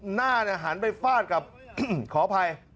หน้าหันไปฟาดกับขออภัย